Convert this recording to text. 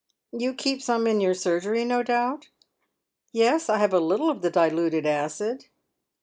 You keep some in your surgery, no doubt ?"" Yes, I have a little of the diluted acid."